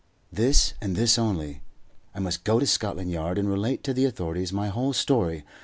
This, and this only. I must go to Scotland Yard, and relate to the authorities my whole story.